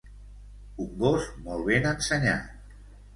Un gos molt ben ensenyat.